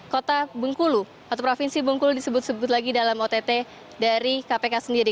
kota bengkulu atau provinsi bengkulu disebut sebut lagi dalam ott dari kpk sendiri